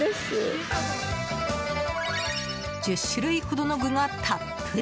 １０種類ほどの具がたっぷり！